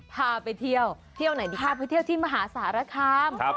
พาไปเที่ยวที่มหาสารคาม